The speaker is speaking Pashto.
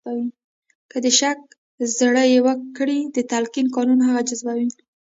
که د شک زړي وکرئ د تلقین قانون هغه جذبوي